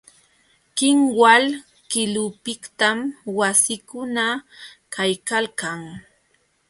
Kinwal qilupiqtam wasikuna kaykalkan.